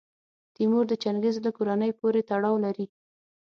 تیمور د چنګیز له کورنۍ پورې تړاو لري.